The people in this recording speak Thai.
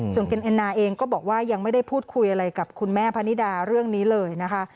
ส่วนเอ็นนาเองก็บอกว่ายังไม่ได้พูดคุยอะไรกับคุณแม่พนิดาเรื่องนี้เลยนะคะ